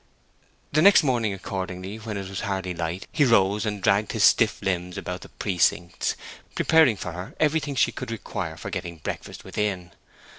The next morning, accordingly, when it was hardly light, he rose and dragged his stiff limbs about the precincts, preparing for her everything she could require for getting breakfast within.